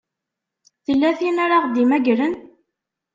Tella tin ara ɣ-d-imagren?